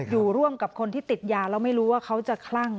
ร่วมกับคนที่ติดยาแล้วไม่รู้ว่าเขาจะคลั่ง